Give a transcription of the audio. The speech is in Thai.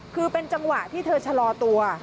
คือเป็นจังหวะที่เธอชะลอตัว